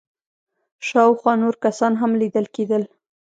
شاوخوا نور کسان هم ليدل کېدل.